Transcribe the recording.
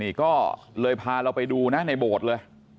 นี่ก็เลยพาเราไปดูนะในโบสถ์เลย